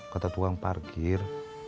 kata tukang parkir